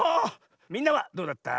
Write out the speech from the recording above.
みんなはどうだった？